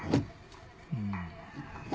うん。